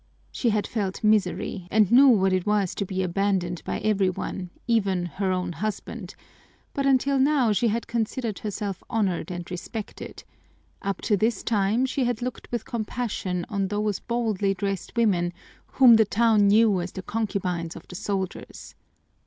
She had felt misery and knew what it was to be abandoned by every one, even her own husband, but until now she had considered herself honored and respected: up to this time she had looked with compassion on those boldly dressed women whom the town knew as the concubines of the soldiers.